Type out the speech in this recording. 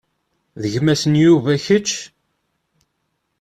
D gma-s n Yuba kečč?